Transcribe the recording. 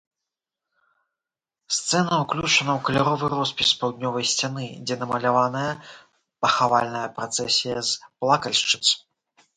Сцэна ўключана ў каляровы роспіс паўднёвай сцяны, дзе намаляваная пахавальная працэсія з плакальшчыц.